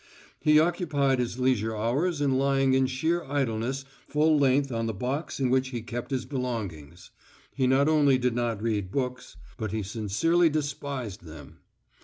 He occupied his leisure hours in lying in sheer idleness full length on the box in which he kept his belongings. He not only did not read books, but he sincerely despised them.